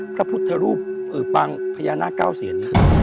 พระพุทธรูปปางพญานาคเก้าเซียน